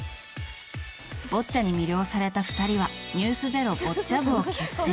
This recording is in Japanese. ボッチャに魅了された２人は「ｎｅｗｓｚｅｒｏ」ボッチャ部を結成。